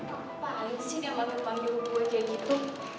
apaan sih ini ama taman guru gue kayak gitu